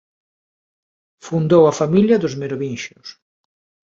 Fundou a familia dos merovinxios.